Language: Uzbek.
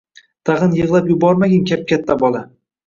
Tagʻin yigʻlab yubormagin kap-katta bola.